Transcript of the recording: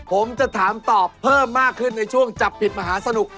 ผมจะถามตอบเพิ่มมากขึ้นในช่วงจับผิดมหาสนุก